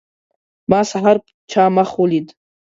ما سحر چا مخ ولید.